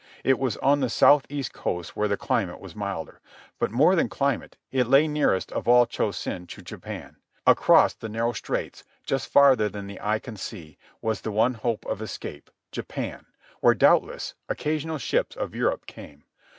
It was on the south east coast where the climate was milder. But more than climate, it lay nearest of all Cho Sen to Japan. Across the narrow straits, just farther than the eye can see, was the one hope of escape, Japan, where doubtless occasional ships of Europe came.